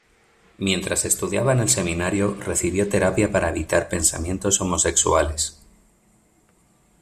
Mientras estudiaba en el seminario, recibió terapia para evitar pensamientos homosexuales.